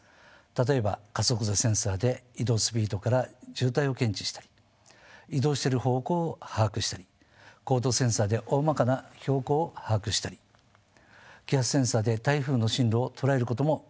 例えば加速度センサーで移動スピードから渋滞を検知したり移動している方向を把握したり高度センサーでおおまかな標高を把握したり気圧センサーで台風進路を捉えることも可能になっております。